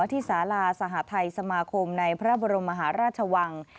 ที่สาลาสหทัยสมาคมในพระบรมมหาราชวัง